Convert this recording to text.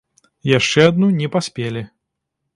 Яшчэ адну не паспелі.